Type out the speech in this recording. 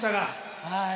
はい。